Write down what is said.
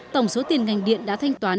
tổng số tiền ngành điện đã thành công